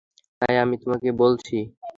ভাই, আমি তোমাকে বলছি, এই হারামজাদাকে ছুরি মারো।